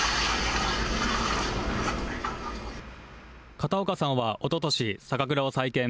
片岡さんはおととし、酒蔵を再建。